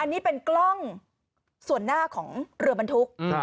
อันนี้เป็นกล้องส่วนหน้าของเรือบรรทุก